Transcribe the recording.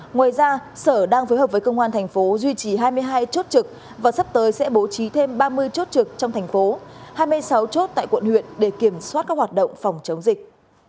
ngoài ra sở đang phối hợp với công an thành phố duy trì hai mươi hai chốt trực và sắp tới sẽ bố trí thêm ba mươi chốt trực trong thành phố hai mươi sáu chốt tại quận huyện để kiểm soát các hoạt động phòng chống dịch